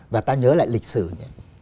và ta nhớ lại lịch sử nhé